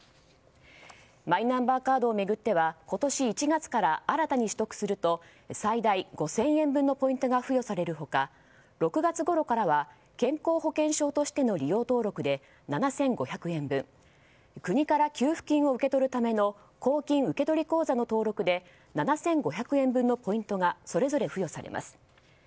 マイナンバーカードを巡っては今年１月から新たに取得すると最大５０００円分のポイントが付与される他６月ごろからは健康保険証としての利用登録で７５００円分国から給付金を受け取るための公金受取口座の登録で７５００円分のポイントがそれぞれ付与されます。